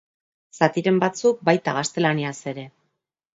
Zatiren batzuk baita gaztelaniaz ere.